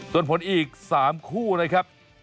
ส่วนผลอีก๓คู่นะครับ